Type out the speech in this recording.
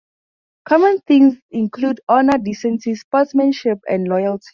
Common themes include honour, decency, sportsmanship and loyalty.